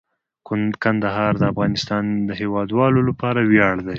کندهار د افغانستان د هیوادوالو لپاره ویاړ دی.